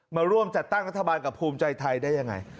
มาร่วมจัดตั้งรัฐบาลกับภูมิใจไทยได้ยังไง